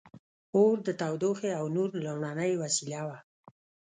• اور د تودوخې او نور لومړنۍ وسیله وه.